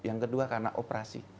yang kedua karena operasi